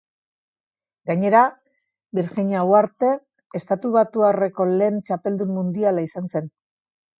Gainera, Birjina Uharte Estatubatuarreko lehen txapeldun mundiala izan zen.